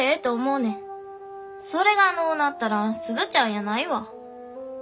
それがのうなったら鈴ちゃんやないわ。